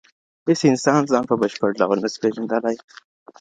هیڅ انسان ځان په بشپړ ډول نسي پیژندلی.